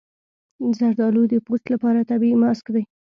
زردالو د پوست لپاره طبیعي ماسک دی.